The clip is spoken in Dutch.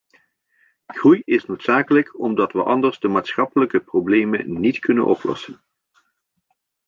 Groei is noodzakelijk omdat we anders de maatschappelijke problemen niet kunnen oplossen.